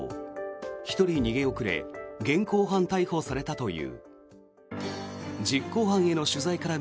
１人逃げ遅れ現行犯逮捕されたという。